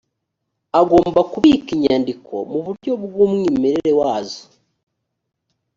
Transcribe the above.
agomba kubika inyandiko mu buryo bw’umwimerere wazo